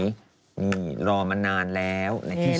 นี่รอมานานแล้วในที่สุด